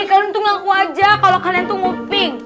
kalian tuh ngaku aja kalau kalian tuh nguping